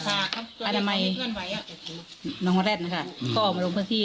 อาละมัยน้องแร็ดนะคะก็ออกมาดูพื้นที่